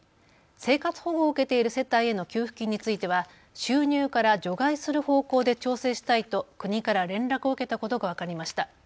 生活保護を受けている世帯への給付金については収入から除外する方向で調整したいと国から連絡を受けたことが分かりました。